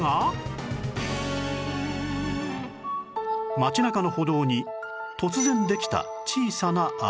街中の歩道に突然できた小さな穴